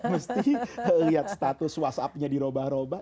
mesti lihat status whatsappnya di roba roba